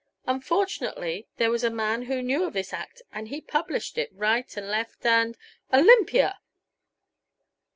Unfortunately, there was a man who knew of this act and he published it right and left and " "Olympia!"